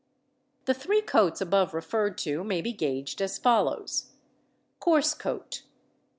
The three coats above referred to may be gauged as follows: _Coarse Coat.